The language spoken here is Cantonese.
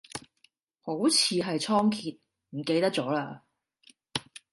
好似係倉頡，唔記得咗嘞